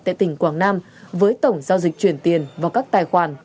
tại tỉnh quảng nam với tổng giao dịch chuyển tiền vào các tài khoản